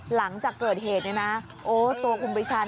หลังจากเกิดเหตุนะโอ๊ยตัวคุณปรีชา